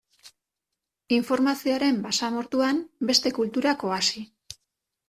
Informazioaren basamortuan, beste kulturak oasi.